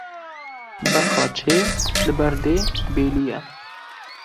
Berxa çê li ber dê belî ye